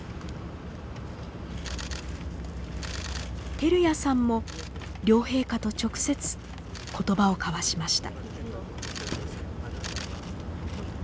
照屋さんも両陛下と直接言葉を交わしました。